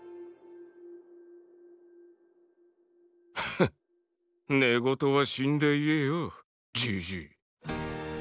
フ寝言は死んで言えよジジイ。